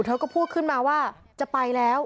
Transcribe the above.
เธอก็พูดขึ้นมาว่าจะไปแล้ว